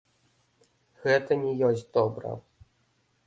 Гэта не ёсць добра.